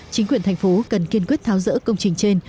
chính quyền thành phố cần kiên quyết tháo rỡ công trình trên